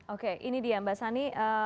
oke ini dia mbak sani